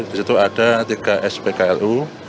di situ ada tiga spklu